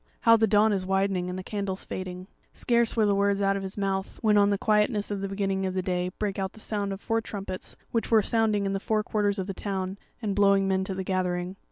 how the dawn is widening and the candles fading." Scarce were the words out of his mouth, when on the quietness of the beginning of day brake out the sound of four trumpets, which were sounding in the four quarters of the town, and blowing men to the gathering.